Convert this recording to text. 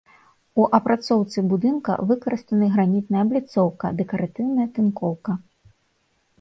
У апрацоўцы будынка выкарыстаны гранітная абліцоўка, дэкаратыўная тынкоўка.